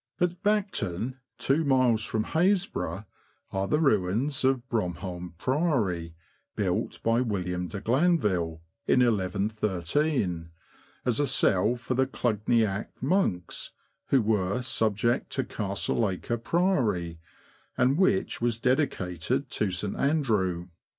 At Bacton, two miles from Happisburgh, are the ruins of Bromholm Priory, built by William de Glanville, in 1 1 13, as a cell for Clugniac monks — who were subject to Castle Acre Priory — and which was dedicated to St. Andrew.